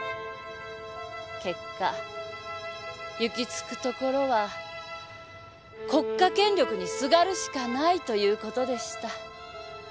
結果行き着くところは国家権力にすがるしかないという事でした。